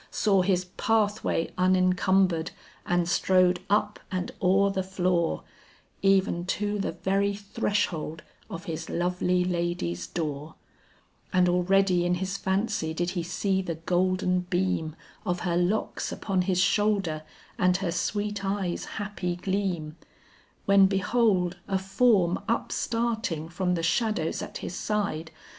Saw his pathway unencumbered and strode up and o'er the floor, Even to the very threshold of his lovely lady's door, And already in his fancy did he see the golden beam Of her locks upon his shoulder and her sweet eyes' happy gleam: When behold a form upstarting from the shadows at his side.